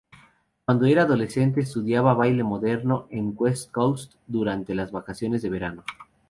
Cuando era adolescente, estudiaba baile moderno en West Coast durante las vacaciones de verano.